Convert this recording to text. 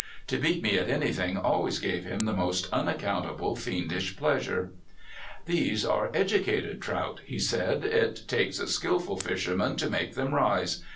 To beat me at anything always gave him the most unaccountable fiendish pleasure. "These are educated trout," he said. "It takes a skillful fisherman to make them rise.